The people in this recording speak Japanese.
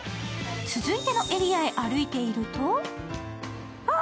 続いてのエリアへ歩いているとあ！